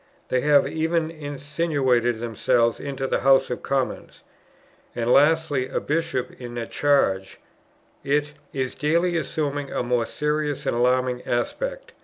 They have even insinuated themselves into the House of Commons." And, lastly, a bishop in a charge: It "is daily assuming a more serious and alarming aspect.